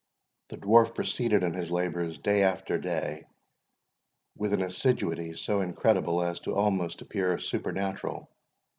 The Dwarf proceeded in his labours, day after day, with an assiduity so incredible as to appear almost supernatural.